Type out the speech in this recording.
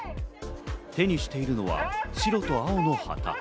手にしているのは白と青の旗。